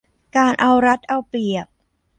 การเอารัดเอาเปรียบ